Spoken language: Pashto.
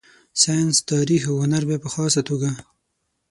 ساینس، تاریخ او هنر بیا په خاصه توګه.